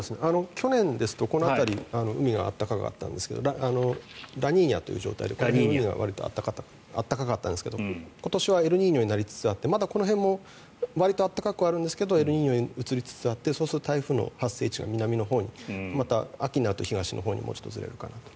去年ですとこの辺り海が暖かかったんですがラニーニャという状態で暖かかったんですが今年はエルニーニョになりつつあってまだこの辺もわりと暖かいんですがエルニーニョに移りつつあってそうすると台風の発生位置が南のほうに秋になると東のほうにずれるかなと。